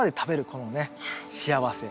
このね幸せ。